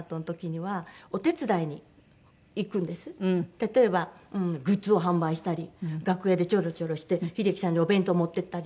例えばグッズを販売したり楽屋でちょろちょろして秀樹さんにお弁当持っていったり。